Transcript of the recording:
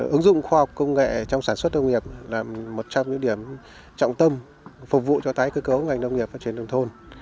ứng dụng khoa học công nghệ trong sản xuất nông nghiệp là một trong những điểm trọng tâm phục vụ cho tái cơ cấu ngành nông nghiệp phát triển nông thôn